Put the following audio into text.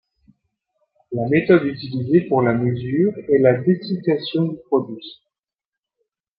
La méthode utilisée pour la mesure est la dessiccation du produit.